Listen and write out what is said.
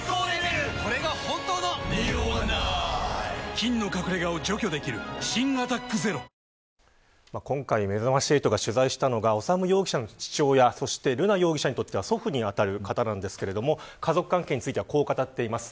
菌の隠れ家を除去できる新「アタックＺＥＲＯ」今回めざまし８が取材したのが修容疑者の父親そして瑠奈容疑者にとっては祖父に当たる方なんですが家族関係についてはこう語っています。